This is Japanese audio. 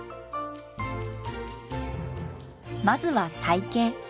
まずは体型。